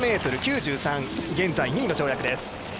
７ｍ９３、現在２位の跳躍です。